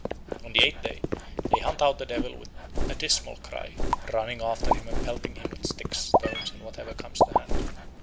On the eighth day they hunt out the devil with a dismal cry, running after him and pelting him with sticks, stones, and whatever comes to hand.